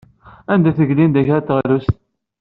Ad teg Linda kra n teɣlust.